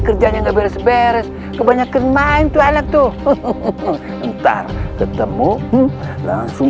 kerja nggak beres beres kebanyakan main tuh anak tuh hehehe ntar ketemu langsung